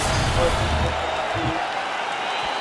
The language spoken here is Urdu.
اور دوسری فلم کی ریلیز